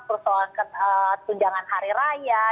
persoalan tunjangan hari raya